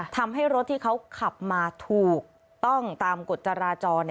ทำให้รถที่เขาขับมาถูกต้องตามกฎจราจร